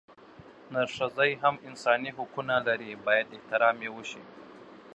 نرښځي هم انساني حقونه لري بايد احترام يې اوشي